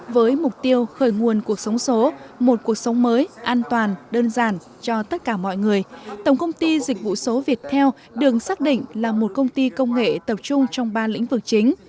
với mục tiêu khởi nguồn cuộc sống số một cuộc sống mới an toàn đơn giản cho tất cả mọi người tổng công ty dịch vụ số việt theo đường xác định là một công ty công nghệ tập trung trong ba lĩnh vực chính